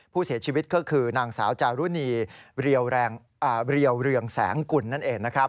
ผู้เสียชีวิตก็คือนางสาวจารุณีเรียวเรืองแสงกุลนั่นเองนะครับ